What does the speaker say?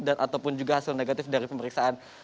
dan ataupun juga hasil negatif dari pemeriksaan